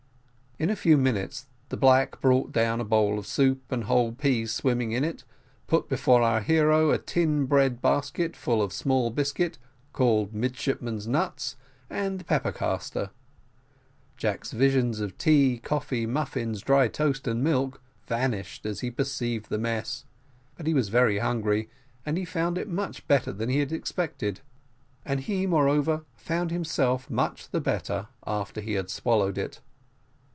In a few minutes the black brought down a bowl of soup and whole peas swimming in it, put before our hero a tin bread basket full of small biscuit, called midshipmen's nuts, and the pepper castor. Jack's visions of tea, coffee, muffins, dry toast, and milk, vanished as he perceived the mess; but he was very hungry, and he found it much better than he expected; and he moreover found himself much the better after he had swallowed it.